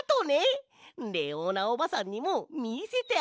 レオーナおばさんにもみせてあげよ！